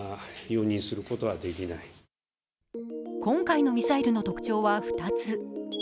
今回のミサイルの特徴は２つ。